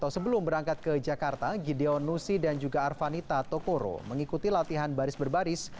sebelum berangkat ke jakarta gideon nusi dan juga arvanita tokoro mengikuti latihan baris berbaris